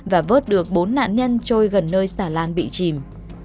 và vớt được bốn nạn nhân trôi gần nơi xà lan bị chìm